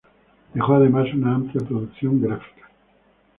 Dejó además una amplia producción gráfica.